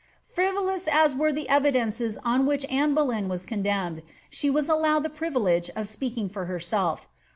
Frivolous as were the evidences on which Anne Boleyn was con demned, she was allowed the privdegc of speaking for herself.